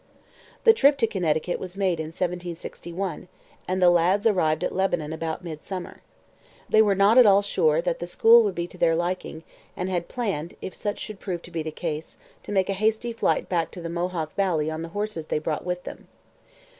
The trip to Connecticut was made in 1761, and the lads arrived at Lebanon about mid summer. They were not at all sure that the school would be to their liking and had planned, if such should prove to be the case, to make a hasty flight back to the Mohawk valley on the horses they brought with them.